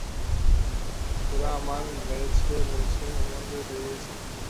ওরা আমায় মেরেছে ধরেছে, অপমান করে তাড়িয়ে দিয়েছে।